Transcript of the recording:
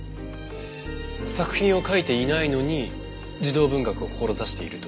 作品を書いていないのに児童文学を志していると？